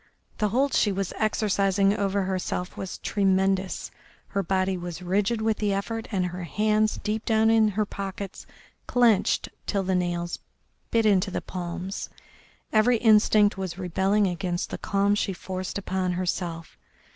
The hold she was exercising over herself was tremendous, her body was rigid with the effort, and her hands deep down in her pockets clenched till the nails bit into the palms. Every instinct was rebelling against the calm she forced upon herself.